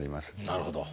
なるほど。